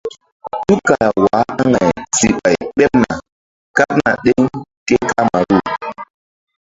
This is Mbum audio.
Tukala waah aŋay si ɓay ɓeɓ na kaɓna ɗeŋ ke kamaru.